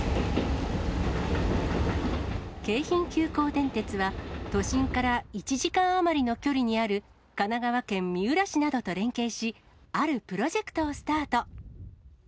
京浜急行電鉄は、都心から１時間余りの距離にある、神奈川県三浦市などと連携し、あるプロジェクトをスタート。